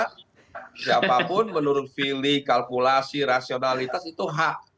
siapapun menurut feeling kalkulasi rasionalitas itu hak